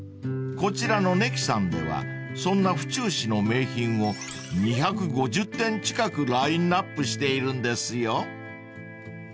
［こちらのＮＥＫＩさんではそんな府中市の名品を２５０点近くラインアップしているんですよ］